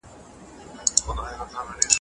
پرمختګ پرته له ملي یووالي ممکن نه دی.